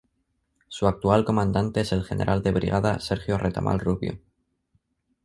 Su actual comandante es el General de brigada Sergio Retamal Rubio.